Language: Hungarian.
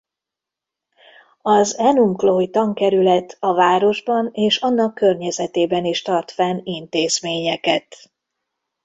Az Enumclaw-i Tankerület a városban és annak környezetében is tart fenn intézményeket.